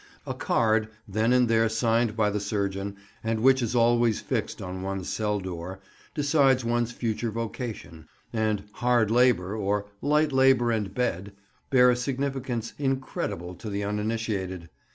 A card, then and there signed by the surgeon, and which is always fixed on one's cell door, decides one's future vocation; and "Hard labour," or "Light labour and bed," bear a significance incredible to the uninitiated.